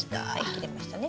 切れましたね。